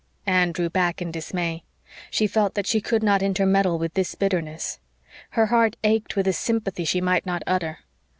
Anne drew back in dismay. She felt that she could not intermeddle with this bitterness. Her heart ached with a sympathy she might not utter.